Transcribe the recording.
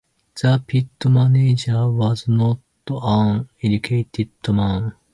The pit-manager was not an educated man.